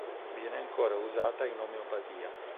Viene ancora usata in omeopatia.